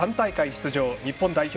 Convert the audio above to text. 出場日本代表